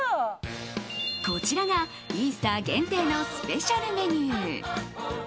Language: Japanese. こちらがイースター限定のスペシャルメニュー。